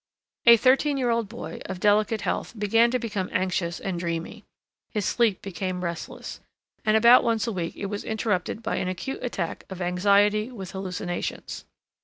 A thirteen year old boy of delicate health began to become anxious and dreamy; his sleep became restless, and about once a week it was interrupted by an acute attack of anxiety with hallucinations.